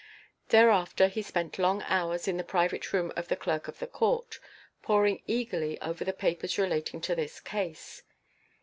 Thereafter he spent long hours in the private room of the Clerk of the Court, poring eagerly over the papers relating to this case.